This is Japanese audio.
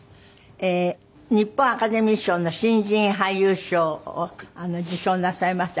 日本アカデミー賞の新人俳優賞を受賞なさいました